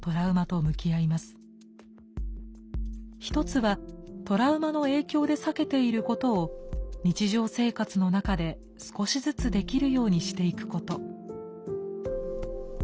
一つはトラウマの影響で避けていることを日常生活の中で少しずつできるようにしていくこと。